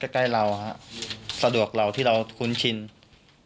จากนั้นก็จะนำมาพักไว้ที่ห้องพลาสติกไปวางเอาไว้ตามจุดนัดต่าง